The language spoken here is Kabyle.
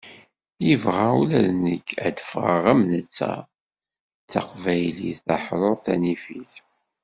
Yebɣa ula d nekk ad d-ffɣeɣ am netta d taqbaylit taḥrurt tanifit.